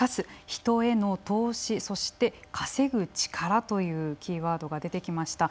人への投資、そして、稼ぐ力というキーワードが出てきました。